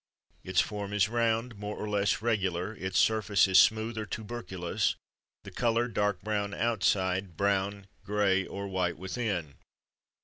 Its form is round, more or less regular; its surface is smooth or tuberculous; the colour dark brown outside, brown, grey, or white within.